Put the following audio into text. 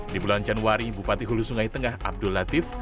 di bulan januari bupati hulu sungai tengah abdul latif